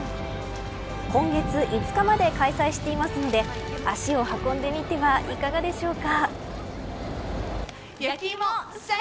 今月５日まで開催していますので足を運んでみてはいかがでしょうか。